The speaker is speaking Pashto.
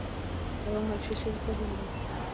هغه مهال چې ښځې پوهاوی ولري، ټولنیز زیان به کم شي.